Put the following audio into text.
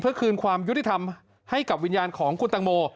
เพื่อคืนความยุติธรรมให้กับวิญญาณของคุณตังโม